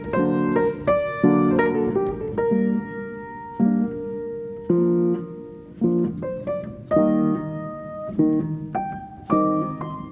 pasal dia sudah sampai